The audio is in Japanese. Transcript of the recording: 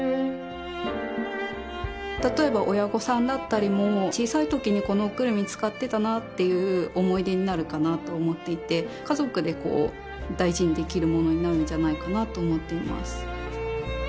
例えば親御さんだったりも小さいときにこのおくるみ使ってたなっていう思い出になるかなと思っていて家族でこう大事にできるものになるんじゃないかなと思っています